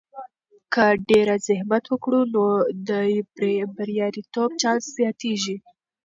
که ډیر زحمت وکړو، نو د بریالیتوب چانس زیاتیږي.